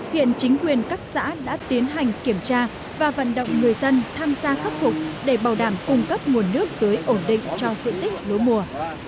hiện chính quyền các xã đã tiến hành kiểm tra và vận động người dân tham gia khắc phục để bảo đảm cung cấp nguồn nước tưới ổn định cho diện tích lúa mùa